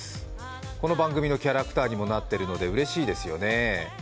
この番組のキャラクターにもなっているので、うれしいですよね。